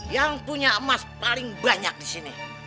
yang punya emas paling banyak disini